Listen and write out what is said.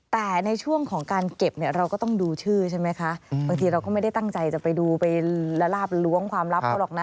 แต่ในช่วงของการเก็บเนี่ยเราก็ต้องดูชื่อใช่ไหมคะบางทีเราก็ไม่ได้ตั้งใจจะไปดูไปละลาบล้วงความลับเขาหรอกนะ